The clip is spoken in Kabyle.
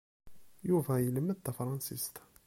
Yuba ilmed tafṛansist.